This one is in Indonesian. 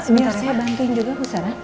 biar saya bantuin juga bu sarah